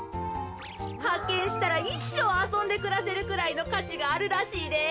はっけんしたらいっしょうあそんでくらせるくらいのかちがあるらしいで。